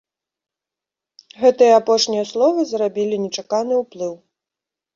Гэтыя апошнія словы зрабілі нечаканы ўплыў.